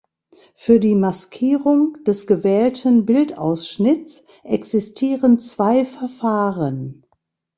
Für die Maskierung des gewählten Bildausschnitts existieren zwei Verfahren.